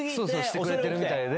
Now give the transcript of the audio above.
してくれてるみたいで。